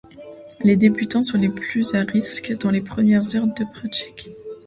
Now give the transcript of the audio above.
Les débutants sont les plus à risque dans les premières heures de pratique.